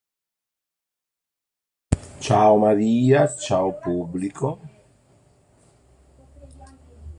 Le "equity joint-venture" è una delle forme societarie più diffuse.